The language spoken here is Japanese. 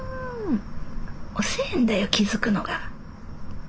遅えんだよ気付くのが。